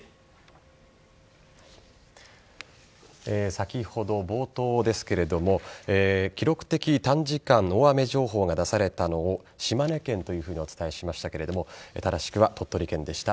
先ほど、冒頭ですけれども記録的短時間大雨情報が出されたのを島根県というふうにお伝えしましたが正しくは鳥取県でした。